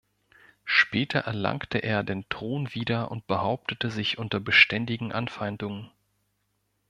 Später erlangte er den Thron wieder und behauptete sich unter beständigen Anfeindungen.